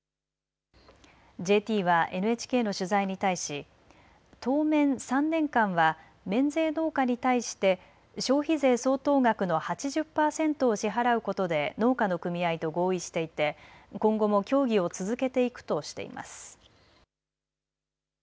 ＪＴはＮＨＫの取材に対し当面３年間は免税農家に対して消費税相当額の８０％を支払うことで農家の組合と合意していて今後も協議を続けていくとしています。